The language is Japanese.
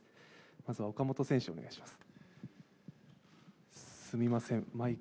まずは岡本選手、お願いします。